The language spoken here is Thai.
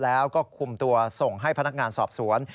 แล้วก็คุมตัวส่งให้พนักงานสอบสวน